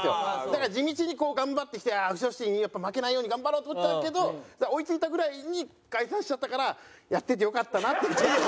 だから地道にこう頑張ってきてうしろシティに負けないように頑張ろうと思ったけど追い付いたぐらいに解散しちゃったからやっててよかったなって。